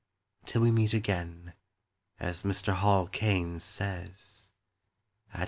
Till we meet again As Mr. Hall Caine says Addio.